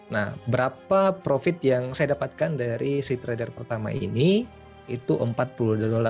nah berapa profit yang saya dapatkan dari si trader pertama ini itu empat puluh dolar